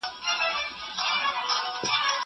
کتاب واخله!